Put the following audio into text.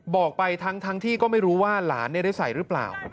บอกไปทั้งที่ก็ไม่รู้ว่าหลานได้ใส่หรือเปล่า